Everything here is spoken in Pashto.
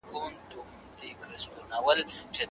د څېړني په پای کي خپل کار ارزیابي کړئ.